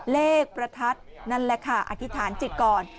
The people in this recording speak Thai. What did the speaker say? ประทัดนั่นแหละค่ะอธิษฐานจิตก่อน